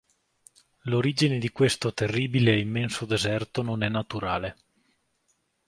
L'origine di questo terribile e immenso deserto non è naturale.